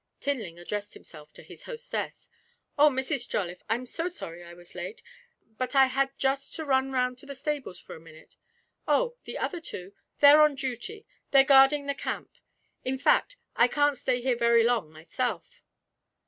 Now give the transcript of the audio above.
Tinling addressed himself to his hostess. 'Oh, Mrs. Jolliffe, I'm so sorry I was late, but I had just to run round to the stables for a minute. Oh, the other two? They're on duty they're guarding the camp. In fact, I can't stay here very long myself.'